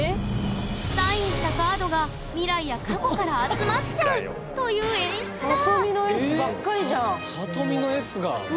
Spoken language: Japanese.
サインしたカードが未来や過去から集まっちゃうという演出だ